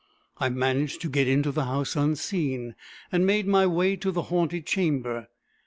I managed to get into the house unseen, and made my way to the haunted chamber.